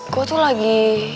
gue tuh lagi